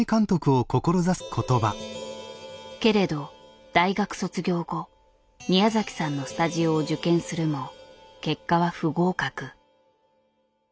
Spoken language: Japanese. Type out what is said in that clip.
けれど大学卒業後宮崎さんのスタジオを受験するも結果は不合格。